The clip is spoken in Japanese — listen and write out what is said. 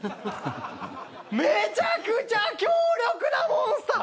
めちゃくちゃ強力なモンスター。